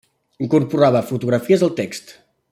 Incorporava fotografies al text.